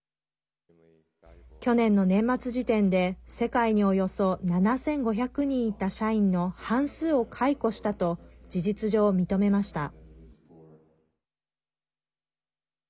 去年の年末時点で世界におよそ７５００人いた社員の半数を解雇したと事実上、認めました。